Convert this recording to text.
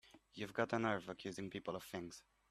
You've got a nerve accusing people of things!